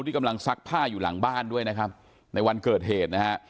กำลังซักผ้าอยู่หลังบ้านด้วยนะครับในวันเกิดเหตุนะฮะ